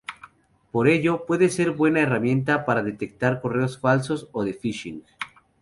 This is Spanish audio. Por ello, puede ser una buena herramienta para detectar correos falsos o de phishing.